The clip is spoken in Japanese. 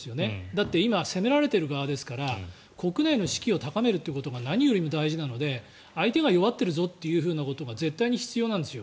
だって今攻められている側ですから国内の士気を高めるということが何よりも大事なので相手が弱っているぞということが絶対に必要なんです。